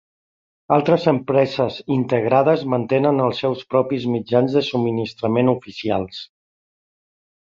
Altres empreses integrades mantenen els seus propis mitjans de subministrament oficials.